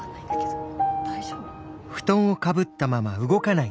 大丈夫？